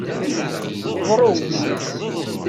Ḍru.